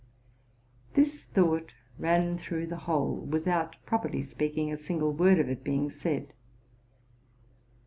This thought ran through the whole, without, properly speaking, a single word of it being said.